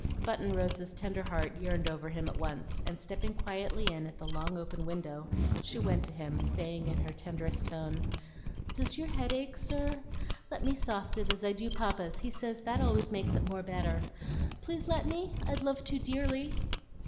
Button Rose's tender heart yearned over him at once, and stepping quietly in at the long open window she went to him, saying in her tenderest tone, "Does your head ache, sir? Let me soft it as I do Papa's; he says that always makes it more better. Please let me? I'd love to dearly."